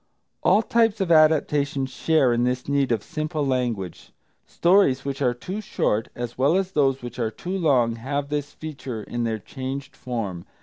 All types of adaptation share in this need of simple language, stories which are too short, as well as those which are too long, have this feature in their changed form.